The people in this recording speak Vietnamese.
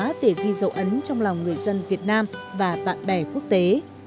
có thể ghi dấu ấn trong lòng người dân việt nam và bạn bè quốc tế